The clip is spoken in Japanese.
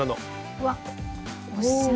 うわっおしゃれ。